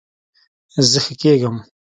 زه ښه کیږم